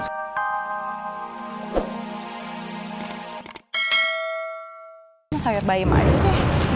sayur bayi emak itu deh